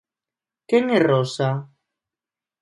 Quen é Rosa?